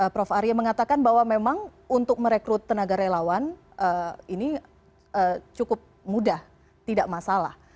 prof arya mengatakan bahwa memang untuk merekrut tenaga relawan ini cukup mudah tidak masalah